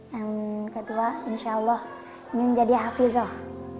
yang kedua insya allah ingin jadi hafizoh